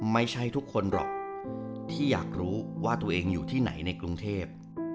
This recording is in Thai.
ไม่ใช่ทุกคนหรอกที่อยากรู้ว่าตัวเองอยู่ที่ไหนในกรุงเทพ